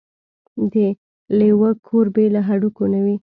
د لېوه کور بې له هډوکو نه وي.